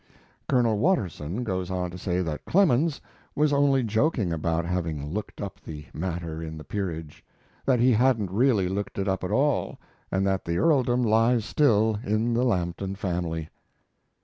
Colonel Watterson goes on to say that Clemens was only joking about having looked up the matter in the peerage; that he hadn't really looked it up at all, and that the earldom lies still in the Lampton family.